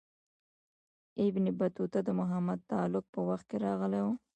ابن بطوطه د محمد تغلق په وخت کې راغلی و.